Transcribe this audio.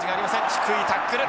低いタックル！